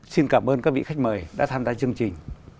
xin cảm ơn các vị khách mời đã tham gia chương trình